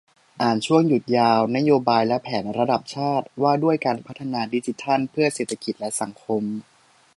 อ่านช่วงหยุดยาว 'นโยบายและแผนระดับชาติ ว่าด้วยการพัฒนาดิจิทัลเพื่อเศรษฐกิจและสังคม'